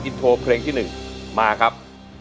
อินโทรเพลงที่๑มาครับ